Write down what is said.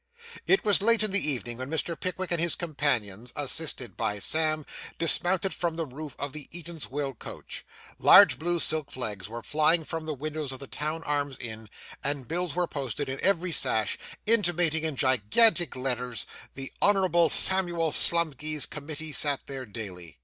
It was late in the evening when Mr. Pickwick and his companions, assisted by Sam, dismounted from the roof of the Eatanswill coach. Large blue silk flags were flying from the windows of the Town Arms Inn, and bills were posted in every sash, intimating, in gigantic letters, that the Honourable Samuel Slumkey's committee sat there daily.